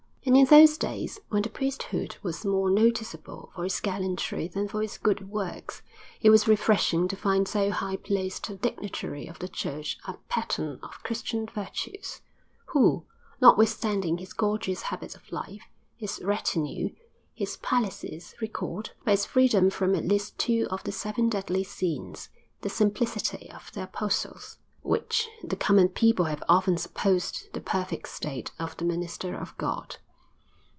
And in those days, when the priesthood was more noticeable for its gallantry than for its good works, it was refreshing to find so high placed a dignitary of the Church a pattern of Christian virtues, who, notwithstanding his gorgeous habit of life, his retinue, his palaces, recalled, by his freedom from at least two of the seven deadly sins, the simplicity of the apostles, which the common people have often supposed the perfect state of the minister of God.